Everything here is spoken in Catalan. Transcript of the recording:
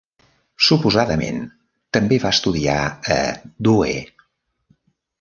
Suposadament també va estudiar a Douay.